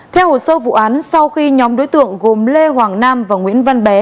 theo hồ sơ vụ án sau khi nhóm đối tượng gồm lê hoàng nam và nguyễn văn bé